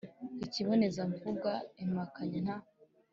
Ikibonezamvugo: Impakanyi “nta”.